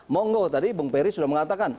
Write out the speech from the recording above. monggo tadi bung peri sudah mengatakan